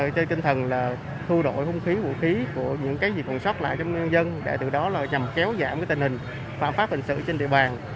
trên tinh thần là thu đổi hung khí vũ khí của những cái gì còn sót lại trong nhân dân để từ đó là nhằm kéo giảm cái tình hình phạm pháp hình sự trên địa bàn